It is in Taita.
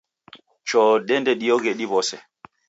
Choo dIende dioghe diw'ose